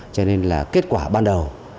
cho nên là kết quả ban đầu